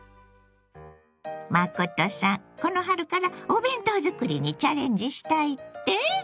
真さんこの春からお弁当作りにチャレンジしたいって？